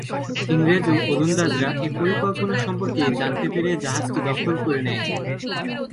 ইংরেজ ও ওলন্দাজরা এ পরিকল্পনা সম্পর্কে জানতে পেরে জাহাজটি দখল করে নেয়।